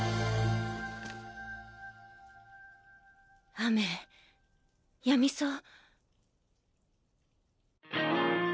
雨止みそう。